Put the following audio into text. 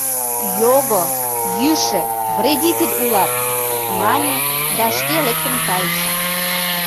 — Його, йӱшӧ, вредитель улат! — мане да шке лектын кайыш.